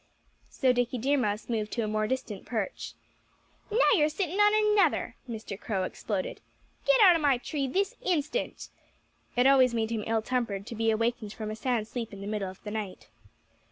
So Dickie Deer Mouse moved to a more distant perch. "Now you're sitting on another!" Mr. Crow exploded. "Get out of my tree this instant!" It always made him ill tempered to be awakened from a sound sleep in the middle of the night.